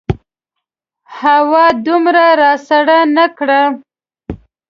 هوا دومره راسړه نه کړه.